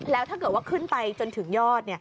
แล้วถ้าเกิดว่าขึ้นไปจนถึงยอด